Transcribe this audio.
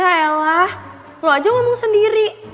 yaelah lo aja ngomong sendiri